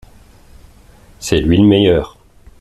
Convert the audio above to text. C'est lui le meilleur.